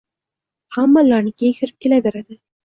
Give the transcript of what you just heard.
Xamma ularnikiga kirib kelaveradi.